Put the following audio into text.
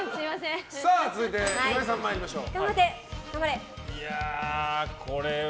続いて、岩井さん参りましょう。